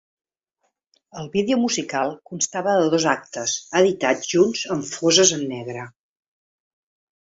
El vídeo musical constava de dos actes, editats junts en foses en negre.